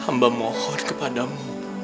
hamba mohon kepada mu